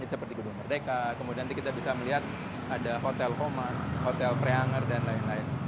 seperti gedung merdeka kemudian nanti kita bisa melihat ada hotel koma hotel preanger dan lain lain